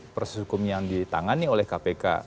proses hukum yang ditangani oleh kpk